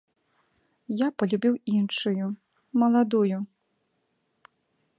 Я палюбіў іншую, маладую.